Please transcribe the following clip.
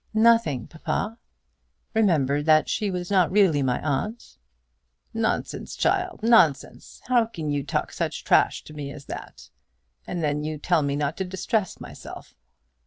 "Nothing, papa. Remember that she was not really my aunt." "Nonsense, child; nonsense! How can you talk such trash to me as that? And then you tell me not to distress myself!